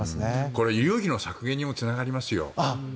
これ、医療費の削減にもつながりますよ。